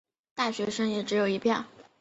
大学学生也只有一票